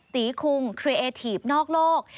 ตีคุงเครียเอทีฟนอกโลก